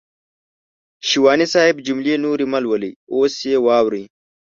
شېواني صاحب جملې نورې مهلولئ اوس يې واورئ.